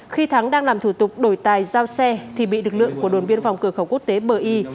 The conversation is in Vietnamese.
khi thắng đang làm thủ tục đổi tài giao xe thì bị lực lượng của đồn biên phòng cửa khẩu quốc tế bờ y